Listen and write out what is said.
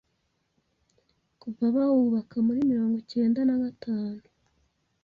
kuva bawubaka muri mirongo icyenda nagatanu